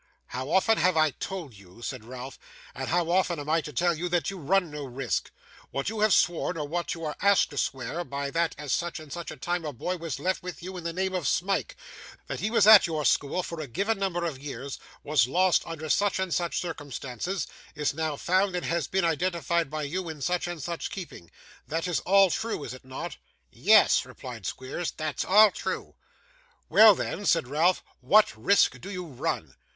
'How often have I told you,' said Ralph, 'and how often am I to tell you, that you run no risk? What have you sworn, or what are you asked to swear, but that at such and such a time a boy was left with you in the name of Smike; that he was at your school for a given number of years, was lost under such and such circumstances, is now found, and has been identified by you in such and such keeping? This is all true; is it not?' 'Yes,' replied Squeers, 'that's all true.' 'Well, then,' said Ralph, 'what risk do you run?